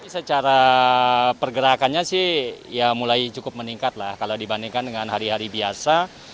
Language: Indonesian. secara pergerakannya mulai cukup meningkat kalau dibandingkan dengan hari hari biasa